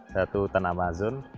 satu hutan amazon